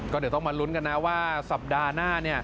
ก็เดี๋ยวต้องมาลุ้นกันนะว่าสัปดาห์หน้า